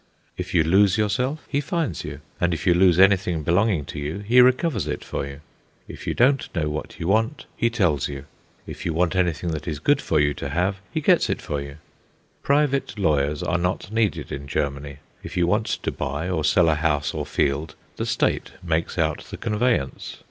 If you lose yourself, he finds you; and if you lose anything belonging to you, he recovers it for you. If you don't know what you want, he tells you. If you want anything that is good for you to have, he gets it for you. Private lawyers are not needed in Germany. If you want to buy or sell a house or field, the State makes out the conveyance.